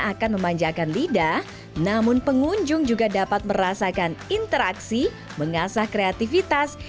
akan memanjakan lidah namun pengunjung juga dapat merasakan interaksi mengasah kreativitas